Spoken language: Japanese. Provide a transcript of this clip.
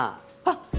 あっ！